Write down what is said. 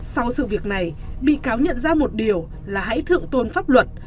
sau sự việc này bị cáo nhận ra một điều là hãy thượng tôn pháp luật